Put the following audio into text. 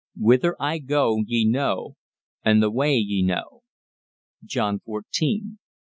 "Whither I go ye know, and the way ye know." John XIV.